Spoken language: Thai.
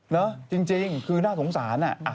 เนอะจริงคือน่าสงสารน่ะ